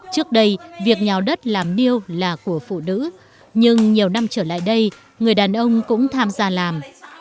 trước đây việc nhào đất làm nương là của phụ nữ nhưng nhiều năm trở lại đây người đàn ông cũng tham gia làm